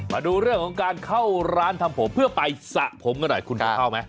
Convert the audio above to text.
มาดูเรื่องของการเข้าร้านทำผมเพื่อไปสระผมกันหน่อยคุณจะเข้าไหม